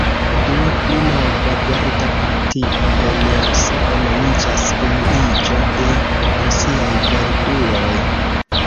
Dua, pli nova, verda partio en Rusio nomiĝas Unuiĝo de Rusiaj Verduloj.